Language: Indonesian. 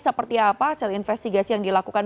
seperti apa hasil investigasi yang dilakukan